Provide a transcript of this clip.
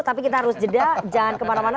tapi kita harus jeda jangan kemana mana